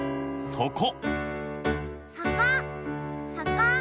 そこ！